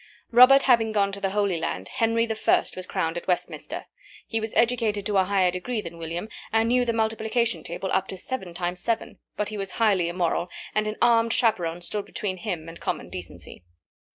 Robert having gone to the Holy Land, Henry I. was crowned at Westminster. He was educated to a higher degree than William, and knew the multiplication table up to seven times seven, but he was highly immoral, and an armed chaperon stood between him and common decency.